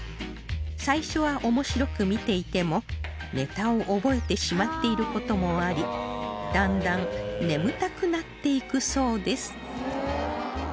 最初は面白く見ていてもネタを覚えてしまっている事もありだんだん眠たくなっていくそうです